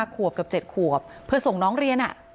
ขวบกับ๗ขวบเพื่อส่งน้องเรียน